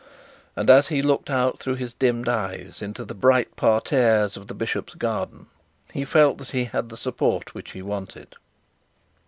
and, as he looked out through his dimmed eyes into the bright parterres of the bishop's garden, he felt that he had the support which he wanted.